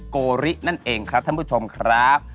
โกรินั่นเองครับท่านผู้ชมครับ